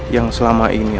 yang selama ini aku cintai